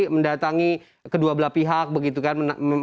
mendatangi kedua belah pihak begitu kan